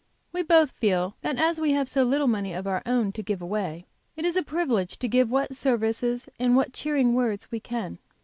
We both feel that as we have so little money of our own to give away, it is a privilege to give what services and what cheering words we can.